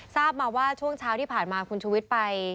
ทราบมาว่าช่วงเช้าที่ผ่านมาคุณชุวิตไป